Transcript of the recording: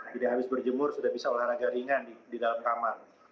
jadi habis berjemur sudah bisa olahraga ringan di dalam kamar